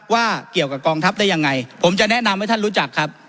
ว่าเกี่ยวกับกองทัพได้ยังไงผมจะแนะนำให้ท่านรู้จักครับ